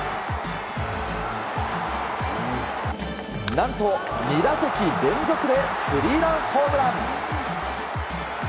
何と２打席連続でスリーランホームラン。